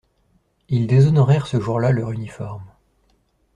Ils déshonorèrent ce jour-là leur uniforme.